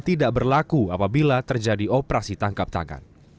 tidak berlaku apabila terjadi operasi tangkap tangan